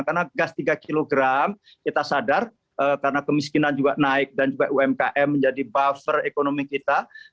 karena gas tiga kg kita sadar karena kemiskinan juga naik dan umkm menjadi buffer ekonomi kita